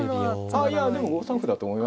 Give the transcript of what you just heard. ああいやでも５三歩だと思いますよ。